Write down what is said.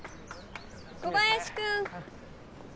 ・小林君。